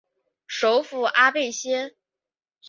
首府阿贝歇。